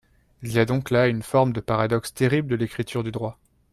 Il y a donc là une forme de paradoxe terrible de l’écriture du droit.